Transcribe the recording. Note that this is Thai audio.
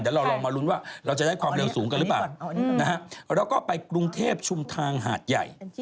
เดี๋ยวเราลองมาลุ้นว่าเราจะได้ความเร็วสูงกันหรือเปล่าแล้วก็ไปกรุงเทพชุมทางหาดใหญ่